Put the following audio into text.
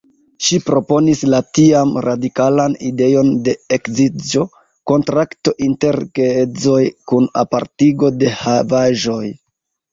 Ŝi proponis la tiam radikalan ideon de ekzidĝo-kontrakto inter geedzoj kun apartigo de havaĵoj.